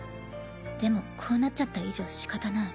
でもこうなっちゃった以上しかたない。